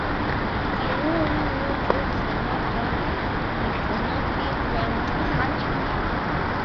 Kinuwa ñutuq runaqa ñutunapi llamk'an.